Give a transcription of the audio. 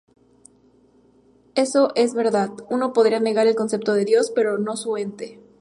Eso es verdad; uno podría negar el concepto de Dios, pero no su ente.